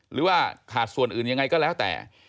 หรือว่าขาดส่วนอื่นยังไงก็แล้วแต่